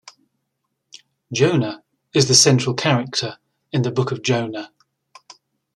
Jonah is the central character in the Book of Jonah.